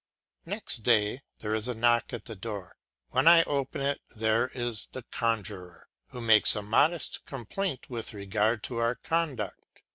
Next day there is a knock at the door. When I open it there is the conjuror, who makes a modest complaint with regard to our conduct.